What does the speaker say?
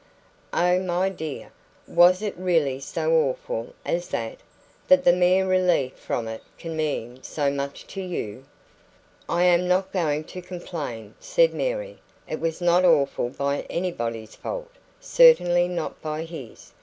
"Oh, my dear, was it really so awful as that that the mere relief from it can mean so much to you?" "I am not going to complain," said Mary. "It was not awful by anybody's fault certainly not by his.